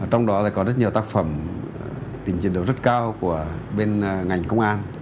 trong đó có rất nhiều tác phẩm tình trình đấu rất cao của bên ngành công an